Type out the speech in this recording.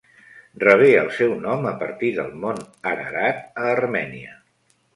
Rebé el seu nom a partir del Mont Ararat, a Armènia.